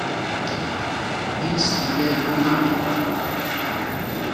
È in stile romanico.